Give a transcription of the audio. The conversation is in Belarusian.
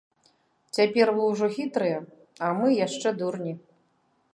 Цяпер вы ўжо хітрыя, а мы яшчэ дурні.